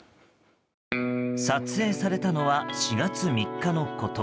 撮影されたのは４月３日のこと。